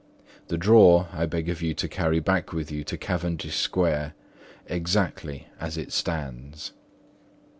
This drawer I beg of you to carry back with you to Cavendish Square exactly as it stands.